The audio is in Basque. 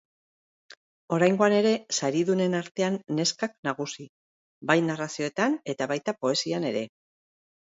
Oraingoan ere saridunen artean neskak nagusi, bai narrazioetan eta baita poesian ere.